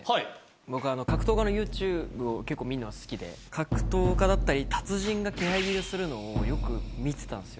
僕、格闘家のユーチューブを結構見るのが好きで、格闘家だったり、達人が気配斬りをするのをよく見てたんですよ。